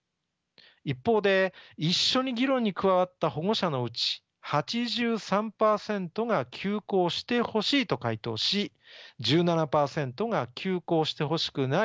一方で一緒に議論に加わった保護者のうち８３％が休校してほしいと回答し１７％が休校してほしくない